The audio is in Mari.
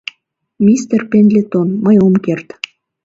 — Мистер Пендлетон, мый ом керт.